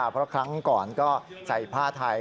เพราะครั้งก่อนก็ใส่ผ้าไทย